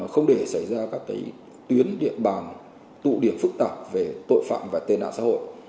không để xảy ra các tuyến điện bàn tụ điểm phức tạp về tội phạm và tên nạn xã hội